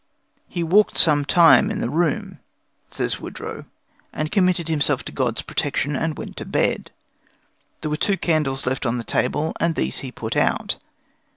"He walked some time in the room," says Wodrow, "and committed himself to God's protection, and went to bed. There were two candles left on the table, and these he put out.